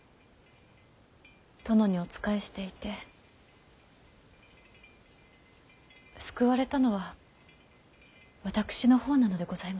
殿にお仕えしていて救われたのは私の方なのでございます。